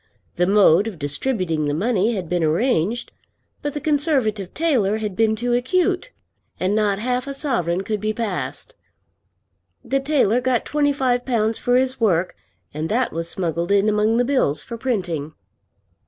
The mode of distributing the money had been arranged; but the Conservative tailor had been too acute, and not half a sovereign could be passed. The tailor got twenty five pounds for his work, and that was smuggled in among the bills for printing.